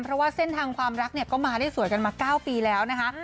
เพราะว่าเส้นทางความรักเนี่ยก็มาได้สวยกันมา๙ปีแล้วนะคะ